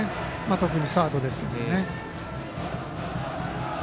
特にサードですけどね。